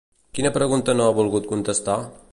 Quina pregunta no ha volgut contestar?